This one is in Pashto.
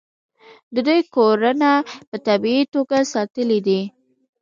د دوی کورونه په طبیعي توګه ساتلي دي.